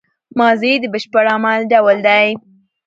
ماضي د بشپړ عمل ډول دئ.